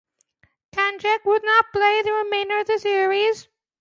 Cajanek would not play for the remainder of the series.